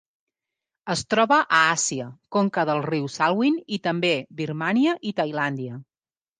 Es troba a Àsia: conca del riu Salween i, també, Birmània i Tailàndia.